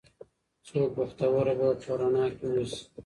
څوک بختوره به په رڼا کې اوسي